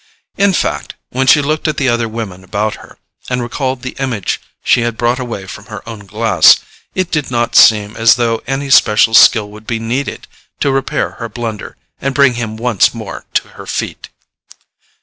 In fact, when she looked at the other women about her, and recalled the image she had brought away from her own glass, it did not seem as though any special skill would be needed to repair her blunder and bring him once more to her feet.